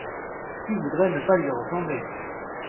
Qui voudrait ne pas lui ressembler !